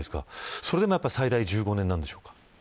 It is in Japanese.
それでも最大１５年なんですか。